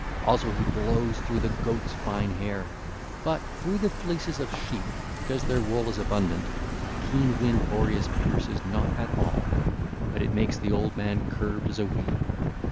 Also he blows through the goat's fine hair. But through the fleeces of sheep, because their wool is abundant, the keen wind Boreas pierces not at all; but it makes the old man curved as a wheel.